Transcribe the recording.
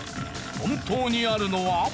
本当にあるのは。